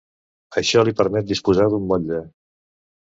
Això li permet disposar d'un motlle.